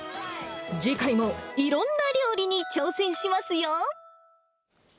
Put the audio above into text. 次回も、いろんな料理に挑戦しますよ。